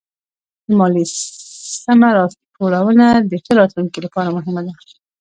د ماليې سمه راټولونه د ښه راتلونکي لپاره مهمه ده.